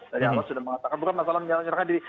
dari awal sudah mengatakan bukan masalah menyerahkan diri